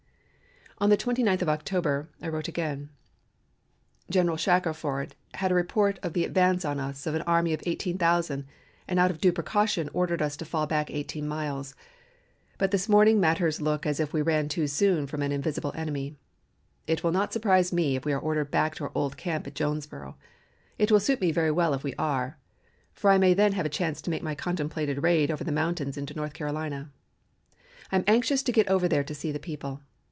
On the 29th of October I wrote again: "General Shackelford had a report of the advance on us of an army of eighteen thousand and out of due precaution ordered us to fall back eighteen miles, but this morning matters look as if we ran too soon from an invisible enemy. It will not surprise me if we are ordered back to our old camp at Jonesboro. It will suit me very well if we are, for I may then have a chance to make my contemplated raid over the mountains into North Carolina. I am anxious to get over there to see the people.